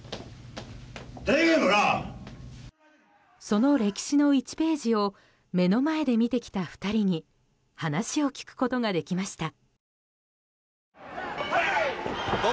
その歴史の１ページを目の前で見てきた２人に話を聞くことができました。